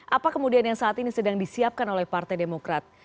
apa kemudian yang saat ini sedang disiapkan oleh partai demokrat